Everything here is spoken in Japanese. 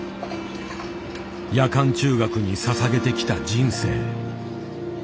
夜間中学にささげてきた人生。